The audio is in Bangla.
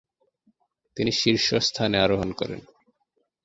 তিনি শীর্ষস্থানে আরোহণ করেন।